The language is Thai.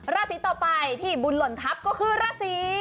ราศีต่อไปที่บุญหล่นทัพก็คือราศี